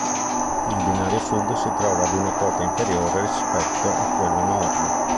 Il binario sud si trova a una quota inferiore rispetto a quello nord.